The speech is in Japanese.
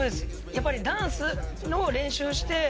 やっぱりダンスの練習して